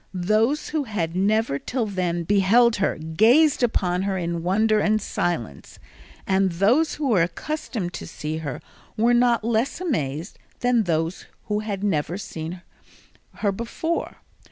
Those who had never till then beheld her gazed upon her in wonder and silence, and those who were accustomed to see her were not less amazed than those who had never seen her before.